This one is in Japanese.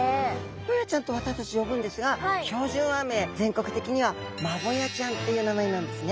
「ホヤちゃん」と私たち呼ぶんですが標準和名全国的にはマボヤちゃんという名前なんですね。